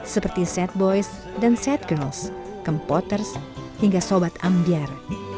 seperti set boys dan set girls kempoters hingga sobat ambiar